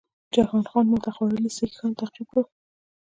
جهان خان ماته خوړلي سیکهان تعقیب کړل.